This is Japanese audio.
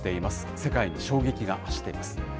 世界に衝撃が走っています。